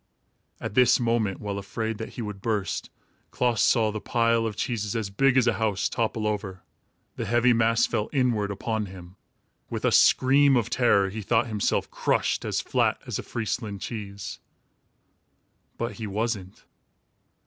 At this moment, while afraid that he would burst, Klaas saw the pile of cheeses, as big as a house, topple over. The heavy mass fell inwards upon him. With a scream of terror, he thought himself crushed as flat as a Friesland cheese. But he wasn't!